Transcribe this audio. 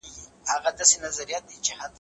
تنکۍ ولسواکي په پیل کي له منځه لاړه.